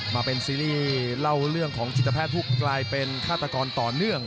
มาเป็นซีรีส์เล่าเรื่องของจิตแพทย์ผู้กลายเป็นฆาตกรต่อเนื่อง